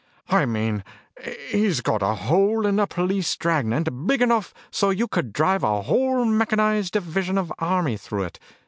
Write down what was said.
"I mean, he's got a hole in the police dragnet big enough so you could drive a whole mechanized division of the army through it.